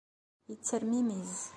Yettermimiz.